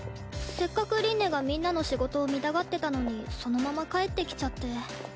せっかく凛音がみんなの仕事を見たがってたのにそのまま帰って来ちゃって。